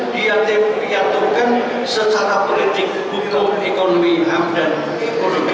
diaturkan secara politik hukum ekonomi ham dan ekonomi